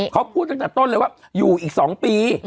เขาพูดจากต้นเลยว่าอยู่อีก๒ปี